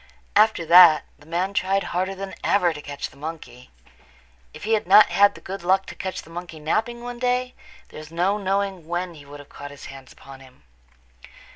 After that the man tried harder than ever to catch the monkey. If he had not had the good luck to catch the monkey napping one day there is no knowing when he would have got his hands upon him.